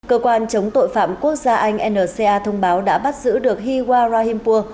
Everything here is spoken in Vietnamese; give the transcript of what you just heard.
cơ quan chống tội phạm quốc gia anh nca thông báo đã bắt giữ được hiwa rahimpur